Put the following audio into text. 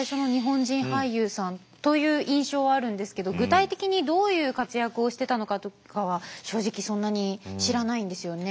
印象はあるんですけど具体的にどういう活躍をしてたのかとかは正直そんなに知らないんですよね。